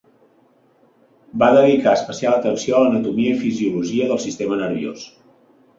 Va dedicar especial atenció a l'anatomia i fisiologia del sistema nerviós.